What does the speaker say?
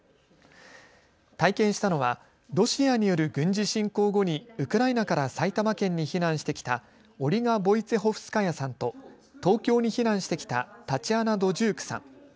体験したのはロシアによる軍事侵攻後にウクライナから埼玉県に避難してきたオリガ・ボイツェホフスカヤさんと東京に避難してきたタチアナ・ドジュークさん。